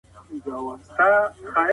د علم د زیاتېدو په اړه د شرايطو خبري کوي.